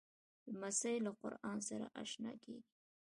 لمسی له قرآنه سره اشنا کېږي.